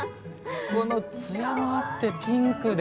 このツヤがあってピンクで！